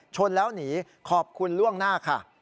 ชนแล้วหนีขอบคุณล่วงหน้าค่ะ